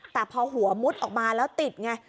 แต่พอหัวมุดออกมาแล้วติดไง